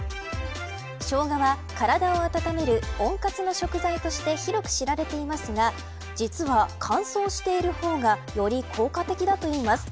ショウガは体を温める温活の食材として広く知られていますが実は、乾燥している方がより効果的だといいます。